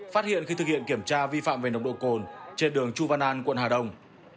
phát hiện khi thực hiện kiểm tra vi phạm về nồng độ cồn trên đường chu văn an quận hà đông